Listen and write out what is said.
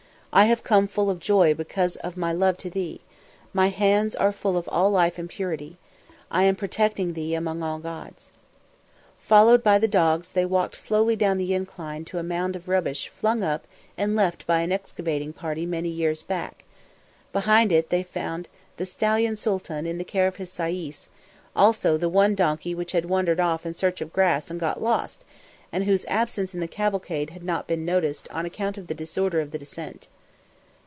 "'_I have come full of joy because of my love to thee; my hands are full of all life and purity. I am protecting thee among all gods_.'" Followed by the dogs, they walked slowly down the incline to a mound of rubbish flung up and left by an excavating party many years back; behind it they found the stallion Sooltan in the care of his sayis, also the one donkey which had wandered off in search of grass and got lost, and whose absence in the cavalcade had not been noticed on account of the disorder of the descent.